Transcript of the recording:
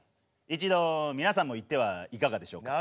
一度皆さんも行ってはいかがでしょうか。